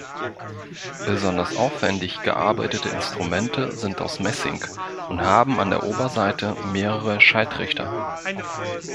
Besonders aufwendig gearbeitete Instrumente sind aus Messing und haben an der Oberseite mehrere Schalltrichter.